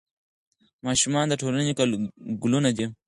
ماشومان د ټولنې ګلونه دي.